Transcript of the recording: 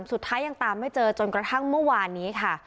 สุดท้ายยังตามไม่เจอจนกระทั่งเมื่อวานนี้ค่ะ